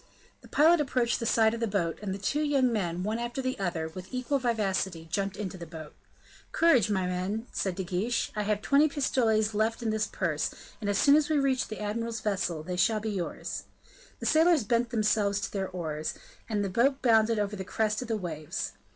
The pilot approached the side of the boat, and the two young men, one after the other, with equal vivacity, jumped into the boat. "Courage, my men," said De Guiche; "I have twenty pistoles left in this purse, and as soon as we reach the admiral's vessel they shall be yours." The sailors bent themselves to their oars, and the boat bounded over the crest of the waves.